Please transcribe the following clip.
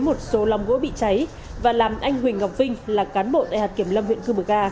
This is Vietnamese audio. một số lòng gỗ bị cháy và làm anh huỳnh ngọc vinh là cán bộ tại hạt kiểm lâm huyện cư b ga